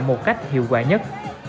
một cách hiệu quả nhất